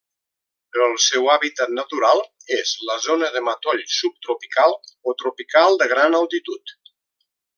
El seu hàbitat natural és la zona de matoll subtropical o tropical de gran altitud.